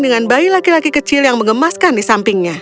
dengan bayi laki laki kecil yang mengemaskan di sampingnya